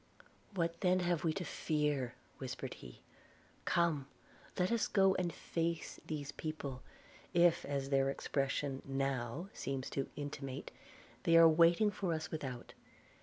'What then have we to fear,' whispered he. 'Come, let us go and face these people, if, as their expression 'Now' seems to intimate, they are waiting for us without.